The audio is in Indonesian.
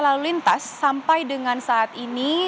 lalu lintas sampai dengan saat ini